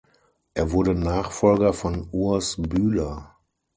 Er wurde Nachfolger von Urs Bühler.